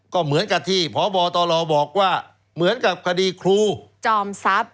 ก็เหมือนกับที่พบตรบอกว่าเหมือนกับคดีครูจอมทรัพย์